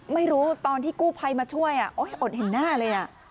ไม่รู้ตอนที่กู้ภัยมาช่วยอดเห็นหน้าเลย